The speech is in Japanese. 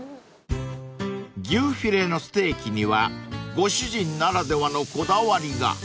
［牛フィレのステーキにはご主人ならではのこだわりが］